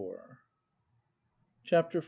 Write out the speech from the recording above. Chapter XL.